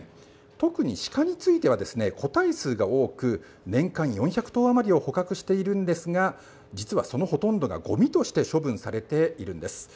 特に鹿については、個体数が多く年間４００頭余りを捕獲しているんですが実は、そのほとんどがごみとして処分されているんです。